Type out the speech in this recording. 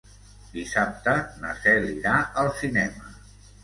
Dissabte na Cel irà al cinema.